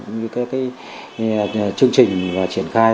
như cái chương trình và triển khai